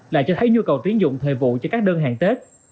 lại cho thấy nhu cầu tuyến dụng thời vụ cho các đơn hàng tết